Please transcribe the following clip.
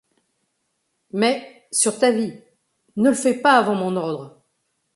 Mais, sur ta vie, ne le fais pas avant mon ordre !